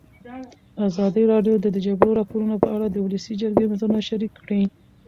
ازادي راډیو د د جګړې راپورونه په اړه د ولسي جرګې نظرونه شریک کړي.